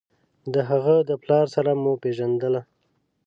د هغه د پلار سره مو پېژندله.